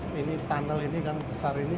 ini tunnel ini kan besar ini